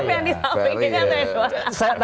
f yang ditambahin kan atau yang kedua